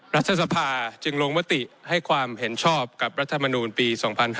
รัฐสภาจึงลงมติให้ความเห็นชอบกับรัฐมนูลปี๒๕๕๙